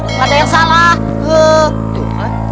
gak ada yang salah